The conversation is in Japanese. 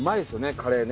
カレーね